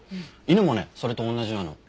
犬もねそれと同じなの。